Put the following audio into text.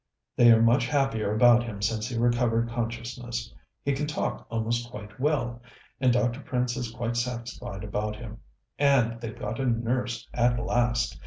"They are much happier about him since he recovered consciousness. He can talk almost quite well, and Dr. Prince is quite satisfied about him. And they've got a nurse at last.